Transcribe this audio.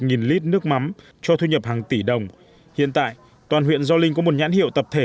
nghìn lít nước mắm cho thu nhập hàng tỷ đồng hiện tại toàn huyện gio linh có một nhãn hiệu tập thể